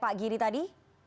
pak giri tadi